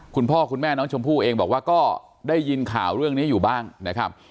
คุณพ่อคุณแม่น้องชมพู่เองบอกว่าก็ได้ยินข่าวเรื่องนี้อยู่บ้างนะครับ